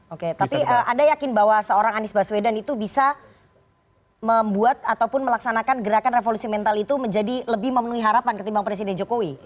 oke tapi anda yakin bahwa seorang anies baswedan itu bisa membuat ataupun melaksanakan gerakan revolusi mental itu menjadi lebih memenuhi harapan ketimbang presiden jokowi